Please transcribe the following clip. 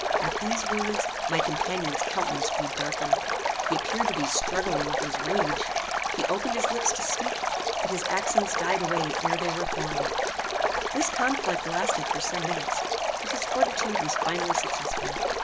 At these words, my companion's countenance grew darker. He appeared to be struggling with his rage. He opened his lips to speak, but his accents died away ere they were formed. This conflict lasted for some minutes, but his fortitude was finally successful.